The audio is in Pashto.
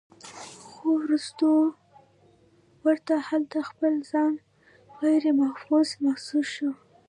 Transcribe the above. خو وروستو ورته هلته خپل ځان غيرمحفوظ محسوس شو